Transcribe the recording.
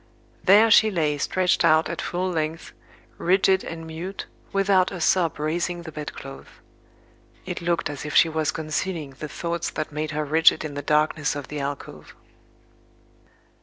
There she lay stretched out at full length, rigid and mute, without a sob raising the bed clothes. It looked as if she was concealing the thoughts that made her rigid in the darkness of the alcove.